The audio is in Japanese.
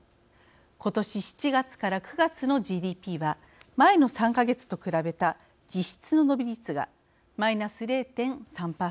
今年７月から９月のＧＤＰは前の３か月と比べた実質の伸び率がマイナス０．３％。